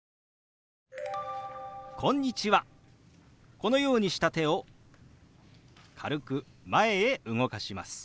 このようにした手を軽く前へ動かします。